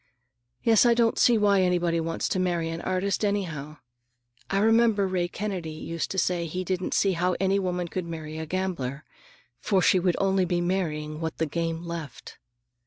"Yes, I don't see why anybody wants to marry an artist, anyhow. I remember Ray Kennedy used to say he didn't see how any woman could marry a gambler, for she would only be marrying what the game left."